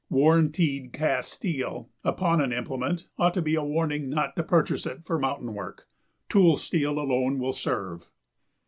"Warranted cast steel" upon an implement ought to be a warning not to purchase it for mountain work. Tool steel alone will serve.